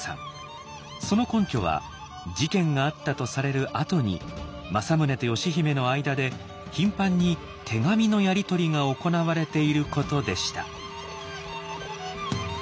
その根拠は事件があったとされるあとに政宗と義姫の間で頻繁に手紙のやりとりが行われていることでした。